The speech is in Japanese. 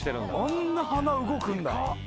・あんな鼻動くんだ。